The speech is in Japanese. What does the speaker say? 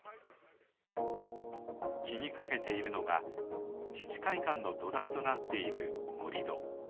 気にかけているのは自治会館の土台となっている盛土。